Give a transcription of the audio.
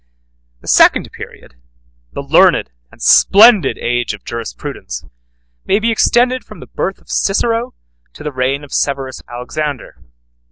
The second period, the learned and splendid age of jurisprudence, may be extended from the birth of Cicero to the reign of Severus Alexander.